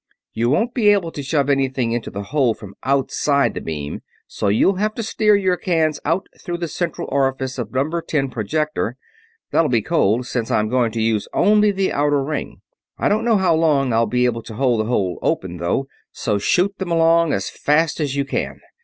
You won't be able to shove anything into the hole from outside the beam, so you'll have to steer your cans out through the central orifice of number ten projector that'll be cold, since I'm going to use only the outer ring. I don't know how long I'll be able to hold the hole open, though, so shoot them along as fast as you can.